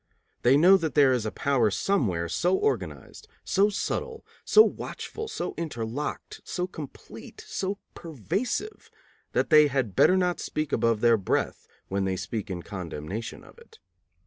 They know that there is a power somewhere so organized, so subtle, so watchful, so interlocked, so complete, so pervasive, that they had better not speak above their breath when they speak in condemnation of it.